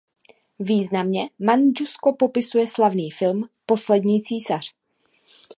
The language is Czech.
Významně Mandžusko popisuje slavný film "Poslední císař".